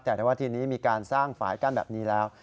แต่ว่าทีนี้มีการสร้างฝ่ายกั้นแบบนี้แล้ว